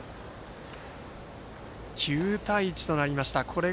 ９対１となりました。